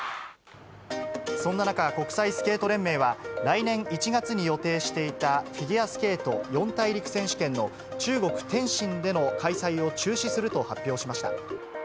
そんな中、国際スケート連盟は、来年１月に予定していたフィギュアスケート四大陸選手権の中国・天津での開催を中止すると発表しました。